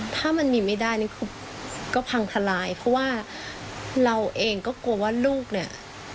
ถ้ามันมีไม่ได้นี่คือก็พังทลายเพราะว่าเราเองก็กลัวว่าลูกเนี่ย